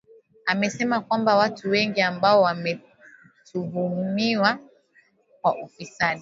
Amesema kwamba watu wengi ambao wametuhumiwa kwa ufisadi